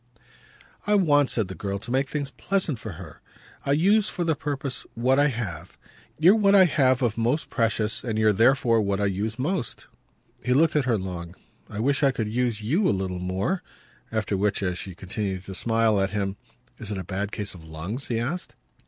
"I want," said the girl, "to make things pleasant for her. I use, for the purpose, what I have. You're what I have of most precious, and you're therefore what I use most." He looked at her long. "I wish I could use YOU a little more." After which, as she continued to smile at him, "Is it a bad case of lungs?" he asked.